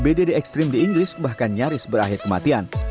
bdd ekstrim di inggris bahkan nyaris berakhir kematian